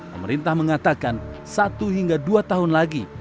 pemerintah mengatakan satu hingga dua tahun lagi